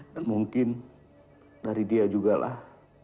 dan mungkin dari dia juga lah